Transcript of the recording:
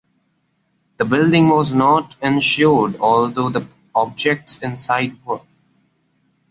The building was not insured although the objects inside were.